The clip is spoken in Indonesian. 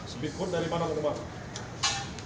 speedboat dari mana ke rumah